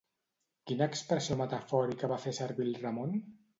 Quina expressió metafòrica va fer servir el Ramon?